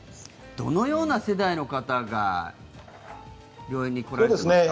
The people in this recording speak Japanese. どのような世代の方が病院に来られますか？